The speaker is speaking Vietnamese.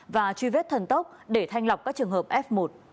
và truy vết thần tốc để thanh lọc các trường hợp f một